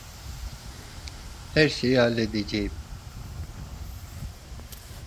Her şeyi halledeceğim.